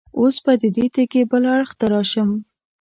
اوس به د دې تیږې بل اړخ ته راشم.